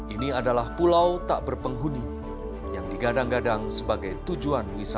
ini adalah pulau tak berpenghuni yang digadang gadang sebagai tujuan wisata